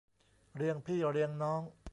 เรียงพี่เรียงน้อง